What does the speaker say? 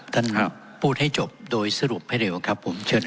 ท่านพูดให้จบโดยสรุปให้เร็วครับผมเชิญ